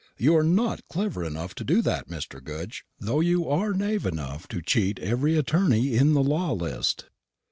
You are not clever enough to do that, Mr. Goodge, though you are knave enough to cheat every attorney in the Law List."